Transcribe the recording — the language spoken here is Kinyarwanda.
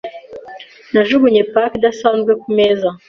Najugunye paki idasanzwe kumeza.